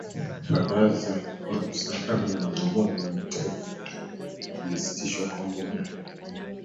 baraza la usalama la umoja wa mataifa lilisitishwa kwa muda